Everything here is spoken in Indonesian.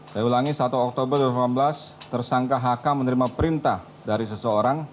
saya ulangi satu oktober dua ribu delapan belas tersangka hk menerima perintah dari seseorang